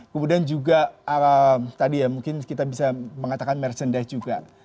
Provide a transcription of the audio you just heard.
kemudian juga tadi ya mungkin kita bisa mengatakan merchandise juga